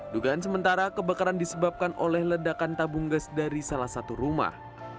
dugaan sementara kebakaran disebabkan oleh ledakan tabung gas dari salah satu rumah